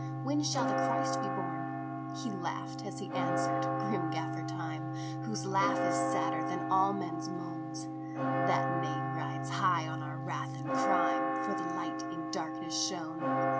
When shall the Christ be born? " He laughed as he answered, grim Gaffer Time, Whose laugh is sadder than all men s moan. " That name rides high on our wrath and crime, For the Light in darkness shone.